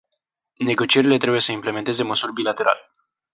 Negocierile trebuie să implementeze măsuri bilaterale.